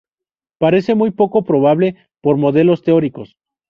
Parece muy poco probable por modelos teóricos.